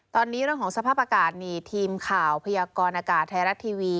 ตอนนี้เรื่องของสภาพอากาศนี่ทีมข่าวพยากรอากาศไทยรัฐทีวี